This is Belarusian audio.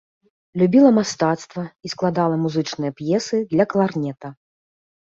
Любіла мастацтва і складала музычныя п'есы для кларнета.